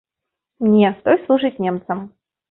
Не, той служыць немцам.